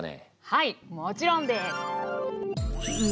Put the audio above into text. はいもちろんです！